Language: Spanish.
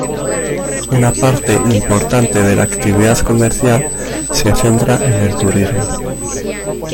Una parte importante de la actividad comercial se centra en el turismo.